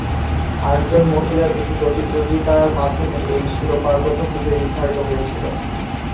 আটজন মহিলার একটি প্রতিযোগিতার মাধ্যমে এই শিরোপার প্রথম বিজয়ী নির্ধারিত হয়েছিল।